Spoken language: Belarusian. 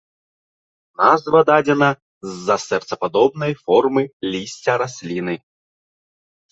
Назва дадзена з-за сэрцападобнай формы лісця расліны.